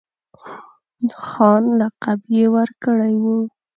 خان لقب یې ورکړی وو.